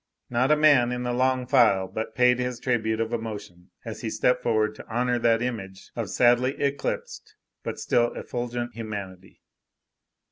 Not a man in the long file but paid his tribute of emotion as he stepped forward to honor that image of sadly eclipsed but still effulgent humanity.